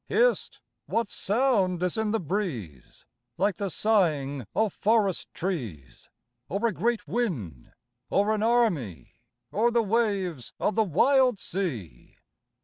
Hist 1 what sound is in the breeze, Like the sighing of forest trees ? Or a great wind, or an army, Or the waves of the wild sea